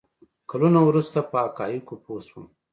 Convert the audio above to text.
کلونه وروسته په حقایقو پوه شوم.